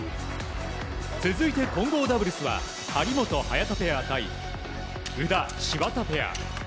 続いて混合ダブルスは張本、早田ペア対宇田、芝田ペア。